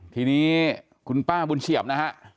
ทีนี้คุณป้าบุญเฉียบนะฮะ